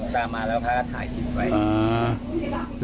ตามมาแล้วพระก็ถ่ายคลิปไว้